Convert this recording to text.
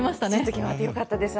決まってよかった。